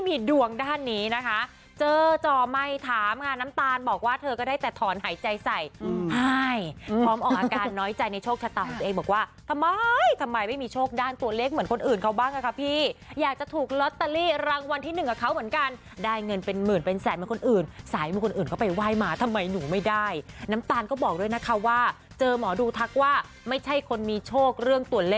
ทอนหายใจใส่พร้อมออกอาการน้อยใจในโชคชะตาของตัวเองบอกว่าทำไมไม่มีโชคด้านตัวเลขเหมือนคนอื่นเขาบ้างอะคะพี่อยากจะถูกลอตเตอรี่รางวัลที่หนึ่งกับเขาเหมือนกันได้เงินเป็นหมื่นเป็นแสนเหมือนคนอื่นสายเหมือนคนอื่นก็ไปไหว้มาทำไมหนูไม่ได้น้ำตาลก็บอกด้วยนะคะว่าเจอหมอดูทักว่าไม่ใช่คนมีโชคเรื่องตั